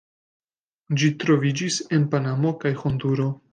Ĝi troviĝis en Panamo kaj Honduro.